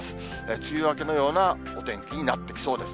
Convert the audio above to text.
梅雨明けのようなお天気になってきそうです。